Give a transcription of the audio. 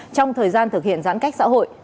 trong thời gian thực hiện giãn cách xã hội